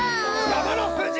やまのふじ！